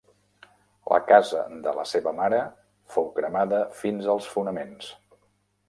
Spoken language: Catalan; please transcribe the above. La casa de la seva mare fou cremada fins als fonaments.